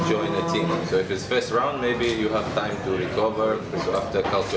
jadi kalau ini adalah perjalanan pertama mungkin anda mempunyai waktu untuk berpindah kembali